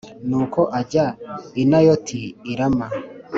Nuko ajya i Nayoti i Rama.